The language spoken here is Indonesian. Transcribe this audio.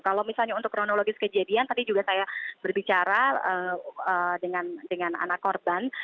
kalau misalnya untuk kronologis kejadian tadi juga saya berbicara dengan anak korban